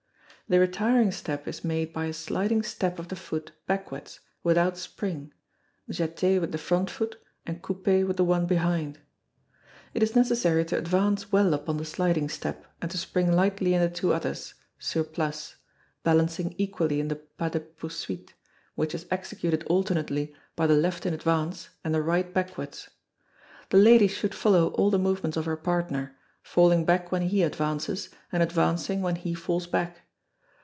The retiring step is made by a sliding step of the foot backwards, without spring, jeté with the front foot, and coupé with the one behind. It is necessary to advance well upon the sliding step, and to spring lightly in the two others, sur place, balancing equally in the pas de poursuite, which is executed alternately by the left in advance, and the right backwards. The lady should follow all the movements of her partner, falling back when he advances, and advancing when he falls back.